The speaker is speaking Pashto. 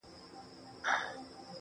که دې د سترگو له سکروټو نه فناه واخلمه.